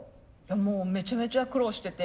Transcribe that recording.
もうめちゃめちゃ苦労してて。